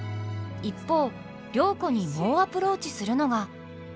一方良子に猛アプローチするのが。